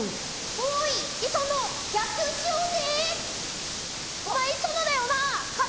おい磯野野球しようぜ。